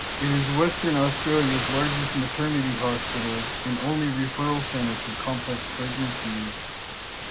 It is Western Australia's largest maternity hospital and only referral centre for complex pregnancies.